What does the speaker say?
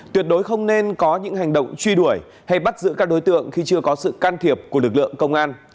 tuyệt đối không nên có những hành động truy đuổi hay bắt giữ các đối tượng khi chưa có sự can thiệp của lực lượng công an